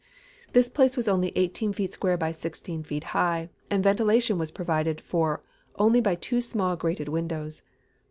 This place was only 18 feet square by 16 feet high, and ventilation was provided for only by two small grated windows.